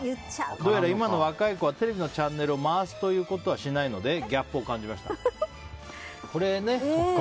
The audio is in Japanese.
どうやら今の若い子はテレビのチャンネルを回すことはしないのでギャップを感じました。